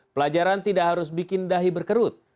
pelajaran tidak harus bikin dahi berkerut